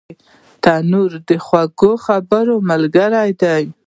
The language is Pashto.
تنور د خوږو خبرو ملګری دی